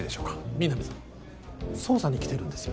皆実さん捜査に来てるんですよ